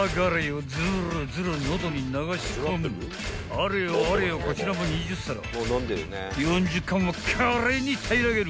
［あれよあれよこちらも２０皿４０貫を華麗に平らげる］